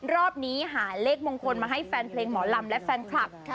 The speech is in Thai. รอบนี้หาเลขมงคลมาให้แฟนเพลงหมอลำและแฟนคลับ